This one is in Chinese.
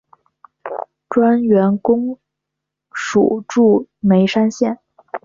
专员公署驻眉山县。